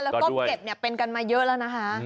แล้วก็เก็บเป็นกันมาเยอะแล้วนะคะ